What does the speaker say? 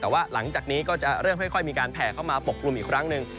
แต่ว่าหลังจากนี้ก็จะเริ่มค่อยมีการแผ่เข้ามาปกกลุ่มอีกครั้งหนึ่ง